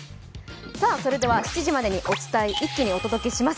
それでは７時までに一気にお伝えします